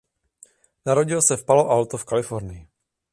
Narodil se v Palo Alto v Kalifornii.